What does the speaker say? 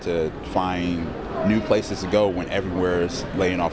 di asia amerika salah satunya